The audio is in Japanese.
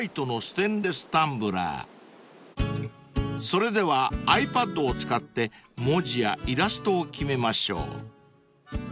［それではｉＰａｄを使って文字やイラストを決めましょう］